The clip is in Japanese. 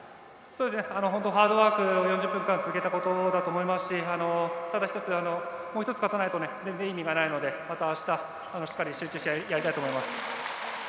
ハードワークを４０分間続けたことだと思いますしただ、１つもう１つ勝たないと全然、意味がないのでまたあした、しっかり集中してやりたいと思います。